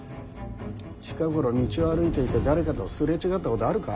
近頃道を歩いていて誰かと擦れ違ったことあるか？